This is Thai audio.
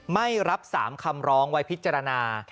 ไม่รับ๓คำร้องไว้พิจารณา